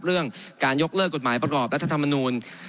เรื่องการยกเลิกกฎหมายประกอบรัฐธรรมนูล